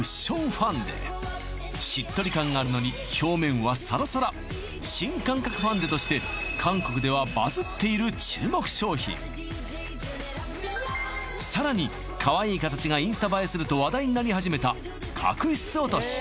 ファンデしっとり感があるのにとして韓国ではバズっている注目商品さらにかわいい形がインスタ映えすると話題になり始めた角質落とし